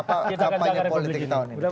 at least apa yang politik tahun ini